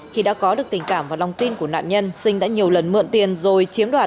khi đã có được tình cảm và lòng tin của nạn nhân sinh đã nhiều lần mượn tiền rồi chiếm đoạt